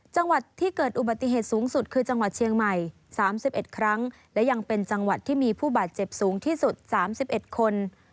จังหวัดที่เกิดอุบัติเหตุสูงสุดคือจังหวัดเชียงใหม่๓๑ครั้งและยังเป็นจังหวัดที่มีผู้บาดเจ็บสูงที่สุด๓๑คน